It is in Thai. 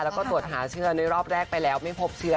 แล้วก็ตรวจหาเชื้อในรอบแรกไปแล้วไม่พบเชื้อ